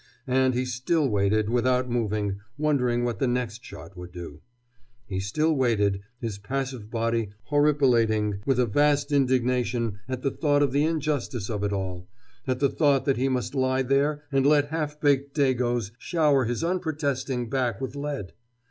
And he still waited, without moving, wondering what the next shot would do. He still waited, his passive body horripilating with a vast indignation at the thought of the injustice of it all, at the thought that he must lie there and let half baked dagoes shower his unprotesting back with lead.